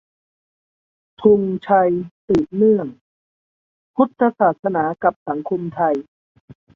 ธงชัย : สืบเนื่อง - พุทธศาสนากับสังคมไทย